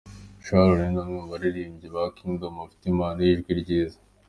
Sharon ni umwe mu baririmbyi ba Kingdom bafite impano y'ijwi ryiza.